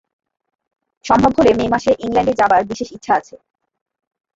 সম্ভব হলে মে মাসে ইংলণ্ডে যাবার বিশেষ ইচ্ছা আছে।